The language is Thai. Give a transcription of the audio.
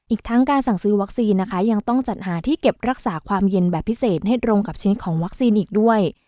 อีกทั้งการสั่งซื้อวัคซีนนะคะยังต้องจัดหาที่เก็บรักษาความเย็นแบบพิเศษให้ตรงกับชิ้นของวัคซีนอีกด้วย